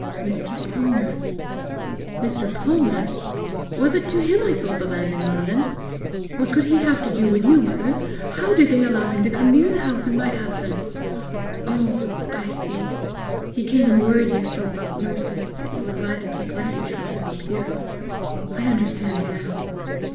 "Mr. Palmer." "Mr. Palmer! Was it to him I sold the land in London? What could he have to do with you, mother? How did they allow him to come near the house in my absence? Oh, I see! He came and worried you so about Mercy that you were glad to take refuge from him up here! I understand now!"